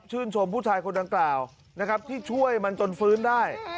ชมผู้ชายคนดังกล่าวนะครับที่ช่วยมันจนฟื้นได้